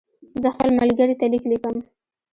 زه خپل ملګري ته لیک لیکم.